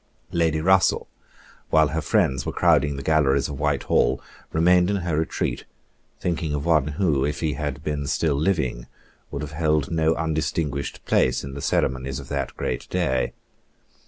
Lady Russell, while her friends were crowding the galleries of Whitehall, remained in her retreat, thinking of one who, if he had been still living, would have held no undistinguished place in the ceremonies of that great day.